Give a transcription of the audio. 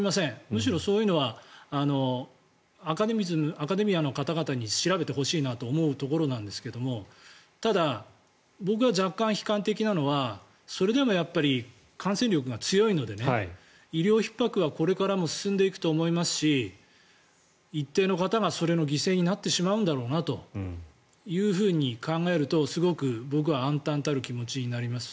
むしろそういうのはアカデミアの方々に調べてほしいなと思うところなんですがただ、僕は若干悲観的なのはそれでもやっぱり感染力は強いので医療ひっ迫はこれからも進んでいくと思いますし一定の方がそれの犠牲になってしまうんだろうなと考えるとすごく僕は暗たんたる気持ちになります。